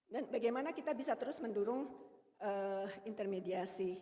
dan bagaimana kita bisa terus mendorong intermediate